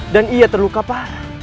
dan ia terluka parah